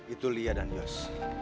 itu lia dan yos